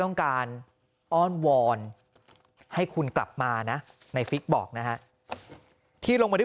ต้องการอ้อนวอนให้คุณกลับมานะในฟิกบอกนะฮะที่ลงมาด้วย